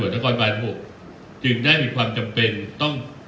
ปรบรับทานผู้การสำหรับ๊ะห์อีกความจำเป็นขายเกง